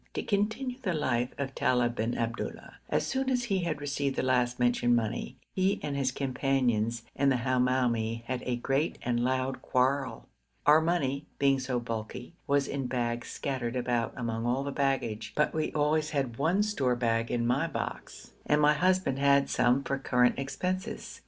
To continue the life of Talib bin Abdullah. As soon as he had received the last mentioned money, he and his companions and the Hamoumi had a great and loud quarrel. Our money, being so bulky, was in bags scattered about among all the baggage, but we always had one store bag in my box, and my husband had some for current expenses.